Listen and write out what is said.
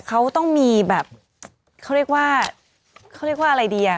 เขาต้องมีแบบเขาเรียกว่าเขาเรียกว่าอะไรดีอ่ะ